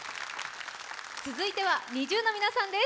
続いてはＮｉｚｉＵの皆さんです。